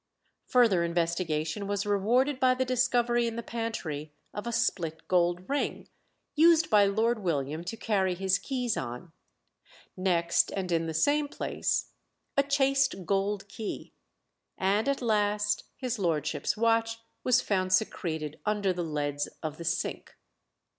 Further investigation was rewarded by the discovery in the pantry of a split gold ring, used by Lord William to carry his keys on; next, and in the same place, a chased gold key; and at last his lordship's watch was found secreted under the leads of the sink.